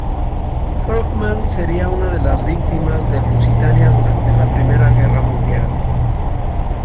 Frohman sería una de las víctimas del Lusitania durante la Primera Guerra Mundial.